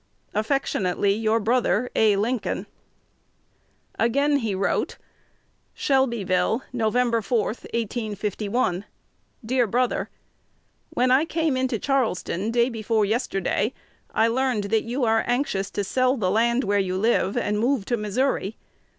Affectionately your brother, A. Lincoln Again he wrote: Shelbyville, Nov. 4, 1851. Dear Brother, When I came into Charleston day before yesterday, I learned that you are anxious to sell the land where you live, and move to Missouri.